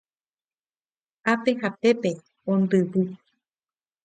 Ápe ha pépe ondyvu